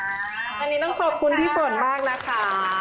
อันนี้ต้องขอบคุณพี่ฝนมากนะคะ